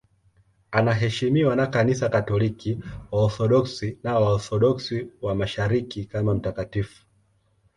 Anaheshimiwa na Kanisa Katoliki, Waorthodoksi na Waorthodoksi wa Mashariki kama mtakatifu.